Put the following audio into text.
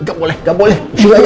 nggak boleh nggak boleh